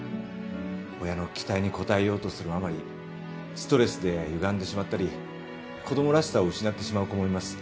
親の期待に応えようとするあまりストレスでゆがんでしまったり子供らしさを失ってしまう子もいます。